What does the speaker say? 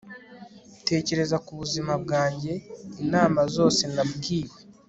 tekereza ku buzima bwanjye, inama zose nabwiwe